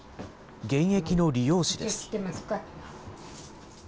現役の理容師です。